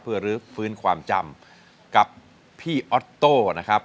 เพื่อรื้อฟื้นความจำกับพี่ออโต้นะครับ